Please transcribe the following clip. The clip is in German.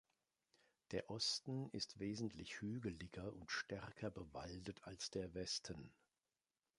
Der Osten ist wesentlich hügeliger und stärker bewaldet als der Westen.